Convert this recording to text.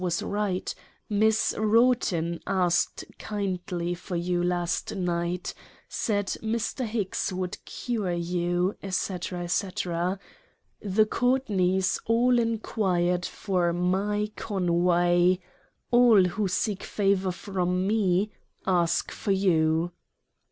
37 was right, Miss Wroughton asked kindly for you last night, said Mr. Hicks would cure you, &c. &c. The Courtneys all enquired for MY CONWAY, all who seek favor from me, ask for you.